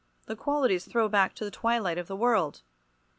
The qualities throw back to the twilight of the world.